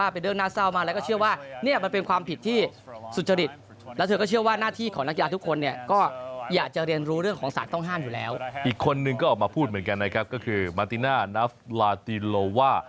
เพราะว่าอย่างประธานสาธารณ์เจ้นนิสอาชีพหญิงก็คือสติฟไสบอนด์